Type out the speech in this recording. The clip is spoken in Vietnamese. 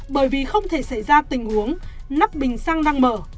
bởi vì không thể xảy ra tình huống nắp bình xăng đang mở